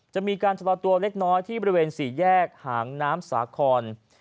จะมีการชะลอตัวเล็กน้อยที่บริเวณสี่แยกหางน้ำสาคร